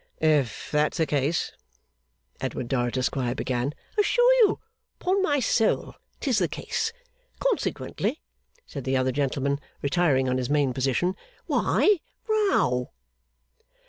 'If that's the case ' Edward Dorrit, Esquire, began. 'Assure you 'pon my soul 'tis the case. Consequently,' said the other gentleman, retiring on his main position, 'why Row?